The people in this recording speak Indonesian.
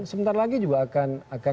sebentar lagi juga akan